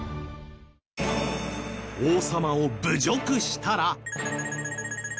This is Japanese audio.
王様を侮辱したら。